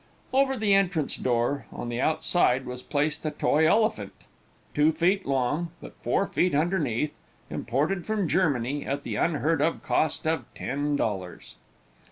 Over the entrance door, on the outside, was placed a toy elephant, two feet long, but four feet underneath, imported from Germany, at the unheard of cost of ten dollars.